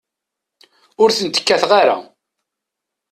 Ur ten-kkateɣ ara.